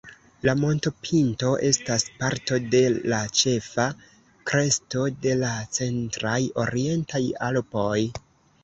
La montopinto estas parto de la ĉefa kresto de la centraj orientaj Alpoj.